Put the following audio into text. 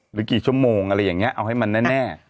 หรือกี่ชั่วโมงอะไรอย่างนี้เอาให้มันแน่